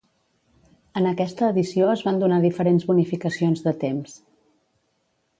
En aquesta edició es van donar diferents bonificacions de temps.